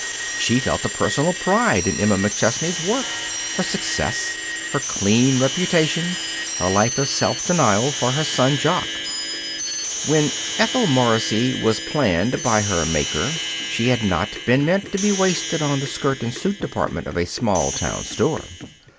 She felt a personal pride in Emma McChesney's work, her success, her clean reputation, her life of self denial for her son Jock. When Ethel Morrissey was planned by her Maker, she had not been meant to be wasted on the skirt and suit department of a small town store.